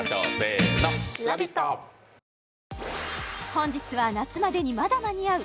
本日は夏までにまだ間に合う！